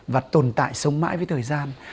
và tồn tại sống mãi với thời gian